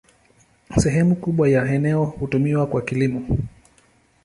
Sehemu kubwa ya eneo hutumiwa kwa kilimo.